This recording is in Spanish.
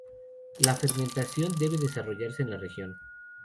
La fermentación debe desarrollarse en la región.